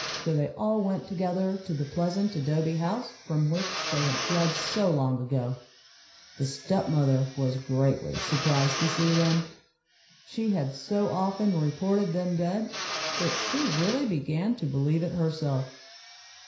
So they all went together to the pleasant adobe house from which they had fled so long ago. The step mother was greatly surprised so see them. She had so often reported them dead, that she really began to believe it herself.